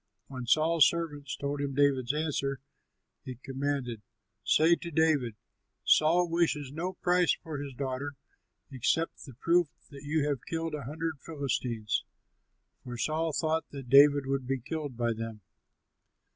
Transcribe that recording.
When Saul's servants told him David's answer, he commanded, "Say to David: 'Saul wishes no price for his daughter except the proof that you have killed a hundred Philistines;'" for Saul thought that David would be killed by them.